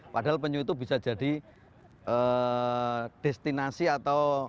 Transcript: padahal penyu itu bisa jadi destinasi atau